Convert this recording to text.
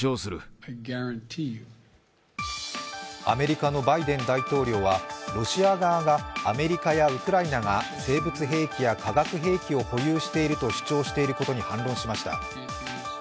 アメリカのバイデン大統領はロシア側がアメリカやウクライナが生物兵器や化学兵器を保有していると主張していることに反論しました。